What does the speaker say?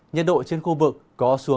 nhiệt độ trên khu vực có xuống rất lớn